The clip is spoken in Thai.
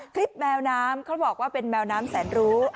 แมวน้ำเขาบอกว่าเป็นแมวน้ำแสนรู้